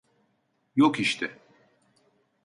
Yok işte.